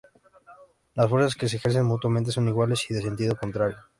Las fuerzas que se ejercen mutuamente son iguales y de sentido contrario.